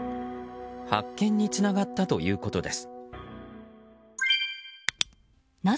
発見につながったということです。